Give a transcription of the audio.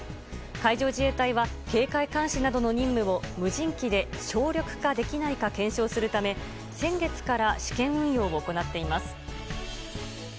海上自衛隊は警戒監視などの任務を無人機で省略化できないか検証するため先月から試験運用を行っています。